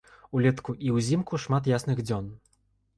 Улетку і ўзімку шмат ясных дзён.